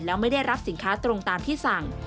แล้วไม่ได้รับสินค้าตรงตามที่สั่ง